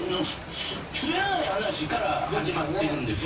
『すべらない話』から始まってるんです。